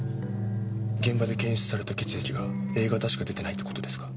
現場で検出された血液がＡ型しか出てないって事ですか？